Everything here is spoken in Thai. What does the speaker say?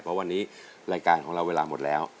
เพราะวันนี้รายการของเราเวลาหมดแล้ว